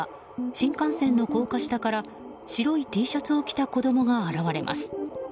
新幹線の高架下から白いＴシャツを着た子供が現れます。